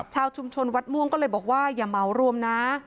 ชาวชุมชนวัดม่วงก็เลยบอกว่าอย่าเหมารวมนะ